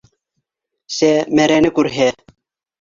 Сә- мәрәне күрһә: